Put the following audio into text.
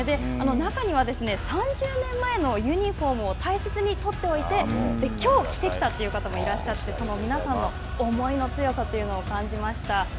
中には、３０年前のユニホームを大切に取っておいて、きょう着てきたという方もいらっしゃってその皆さんの思いの強さというのを感じました。